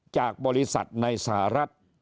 จากบริษัทในสหรัฐ